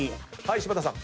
柴田さん。